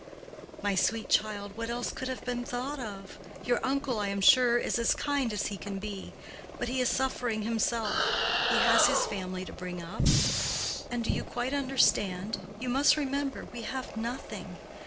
"My sweet child, what else could have been thought of? Your uncle, I am sure, is as kind as he can be: but he is suffering himself; he has his family to bring up. And do you quite understand? You must remember—we have nothing.